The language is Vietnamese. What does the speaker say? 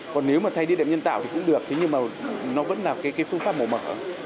còn nếu mà thay địa điểm nhân tạo thì cũng được thế nhưng mà nó vẫn là cái phương pháp mổ mở